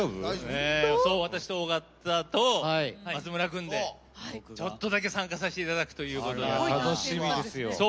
私と尾形と松村君でちょっとだけ参加させていただきました。